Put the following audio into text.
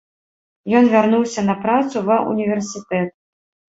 Ён вярнуўся на працу ва ўніверсітэт.